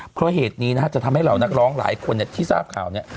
เพราะเหตุนี้นะฮะจะทำให้เหล่านักร้องหลายคนที่ทราบข่าวเนี่ย